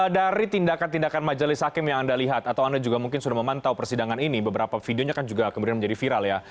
dari tindakan tindakan majelis hakim yang anda lihat atau anda juga mungkin sudah memantau persidangan ini beberapa videonya kan juga kemudian menjadi viral ya